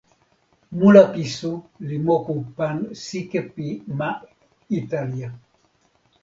mulapisu li moku pan sike pi ma Italija.